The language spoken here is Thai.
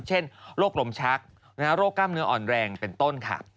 เช่นโรคลมชักโรคกล้ามเนื้ออ่อนแรงเป็นต้นค่ะ